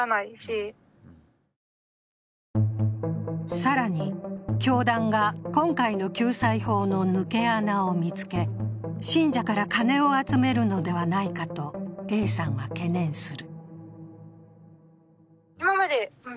更に、教団が今回の救済法の抜け穴を見つけ信者から金を集めるのではないかとＡさんは懸念する。